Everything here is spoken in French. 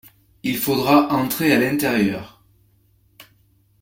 Il faudra entrer à l’intérieur.